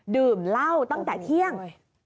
ดื่มเหล้าตั้งแต่เที่ยง